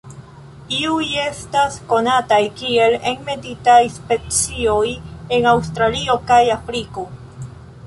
Iuj estas konataj kiel enmetitaj specioj en Aŭstralio kaj Afriko.